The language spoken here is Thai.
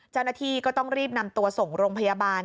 เจ้าหน้าที่ก็ต้องรีบนำตัวส่งโรงพยาบาล